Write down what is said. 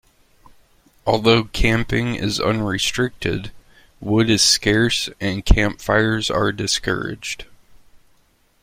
Although camping is unrestricted, wood is scarce and campfires are discouraged.